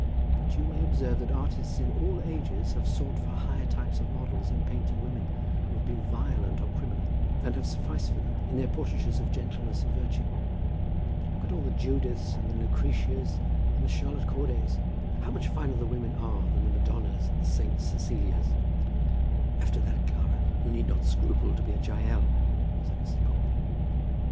But you may observe that artists in all ages have sought for higher types of models in painting women who have been violent or criminal, than have sufficed for them in their portraitures of gentleness and virtue. Look at all the Judiths, and the Lucretias, and the Charlotte Cordays; how much finer the women are than the Madonnas and the Saint Cecilias." "After that, Clara, you need not scruple to be a Jael," said Mrs. Broughton.